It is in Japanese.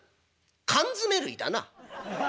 「缶詰類だな」。